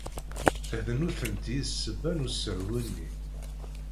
D nutenti i d ssebba n usehwu-nni.